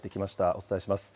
お伝えします。